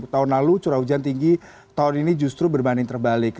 tahun lalu curah hujan tinggi tahun ini justru berbanding terbalik